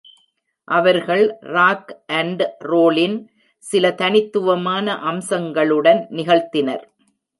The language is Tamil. அவர்கள் ராக் அண்ட் ரோலின் சில தனித்துவமான அம்சங்களுடன் நிகழ்த்தினர்.